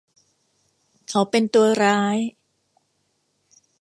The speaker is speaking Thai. เขาเป็นตัวร้าย